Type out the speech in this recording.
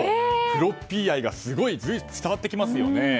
フロッピー愛が伝わってきますよね。